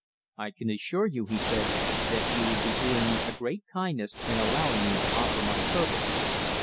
"I can assure you," he said, "that you would be doing me a great kindness in allowing me to offer my services."